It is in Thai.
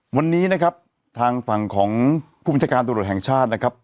วันนี้นะครับทางฝั่งของผู้บัญชาการตรวจแห่งชาตินะครับ